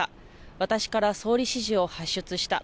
私から総理指示を発出した。